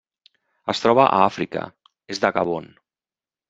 Es troba a Àfrica: est de Gabon.